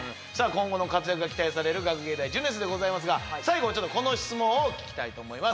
今後の活躍が期待される学芸大青春でございますが最後はこの質問を聞きたいと思います